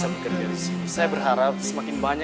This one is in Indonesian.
aku kan masih sekolah